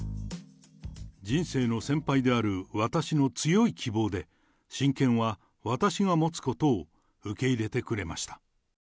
人生の先輩である私の強い希望で、親権は私が持つことを受け入れてくれました。